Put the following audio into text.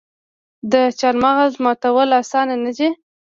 د چهارمغز ماتول اسانه نه دي.